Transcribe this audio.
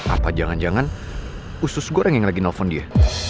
apa jangan jangan usus goreng yang lagi nelfon dia